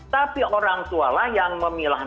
tapi orang tua lah yang memilah